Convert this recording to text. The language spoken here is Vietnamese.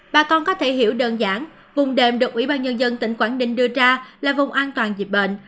bà con có thể hiểu đơn giản vùng đệm được ủy ban nhân dân tỉnh quảng ninh đưa ra là vùng an toàn dịch bệnh